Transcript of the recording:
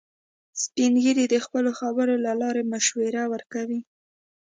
سپین ږیری د خپلو خبرو له لارې مشوره ورکوي